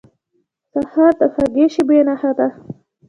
سهار د خوږې شېبې نښه ده.